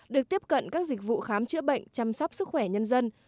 được tiếp cận các dịch vụ khám chữa bệnh chăm sóc sức khỏe nhân dân